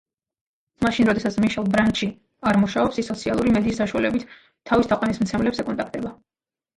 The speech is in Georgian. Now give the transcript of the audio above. მაშინ როდესაც მიშელ ბრანჩი არ მუშაობს ის სოციალური მედიის საშუალებით თავის თაყვანისმცემლებს ეკონტაქტება.